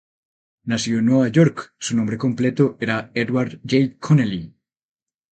Nacido en Nueva York, su nombre completo era Edward J. Connelly.